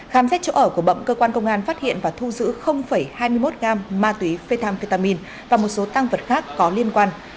khám xét chỗ ở của bậm cơ quan công an phát hiện và thu giữ hai mươi một gam ma túy methamphetamine và một số tăng vật khác có liên quan